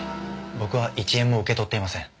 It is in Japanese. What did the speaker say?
僕は１円も受け取っていません。